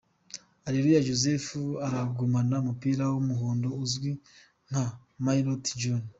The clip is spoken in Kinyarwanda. Areruya Joseph aragumana umupira w’umuhondo uzwi nka ’Maillot Jaune.